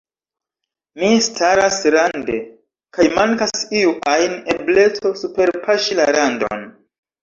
Mi staras rande, kaj mankas iu ajn ebleco superpaŝi la randon.